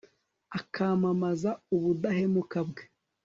ukamamaza ubudahemuka bwawe